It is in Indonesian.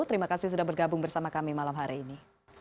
terima kasih sudah bergabung bersama kami malam hari ini